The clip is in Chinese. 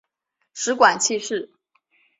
食管憩室。